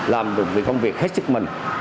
làm được việc công việc hết sức mình